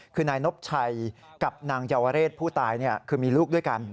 คือนายนบชัยกับนางเยาวเรศผู้ตายคือมีลูกด้วยกัน